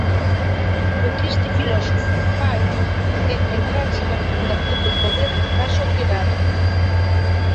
O que este filósofo fai é centrarse na circulación do poder na sociedade.